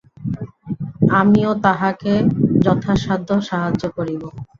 আমিও তাহাকে যথাসাধ্য সাহায্য করিব।